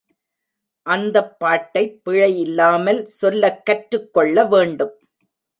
அந்தப் பாட்டைப் பிழை இல்லாமல் சொல்லக் கற்றுக் கொள்ள வேண்டும்.